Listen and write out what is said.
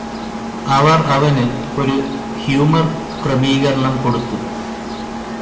അവർ അവന് ഒരു ഹ്യുമർ ക്രമീകരണം കൊടുത്തു